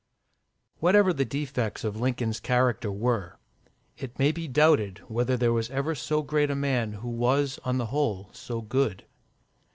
Whatever the defects of Lincoln's character were, it may be doubted whether there was ever so great a man who was, on the whole, so good.